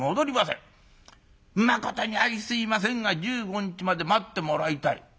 まことにあいすいませんが１５日まで待ってもらいたい』。